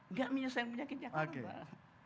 nggak menyelesaikan penyakit jakarta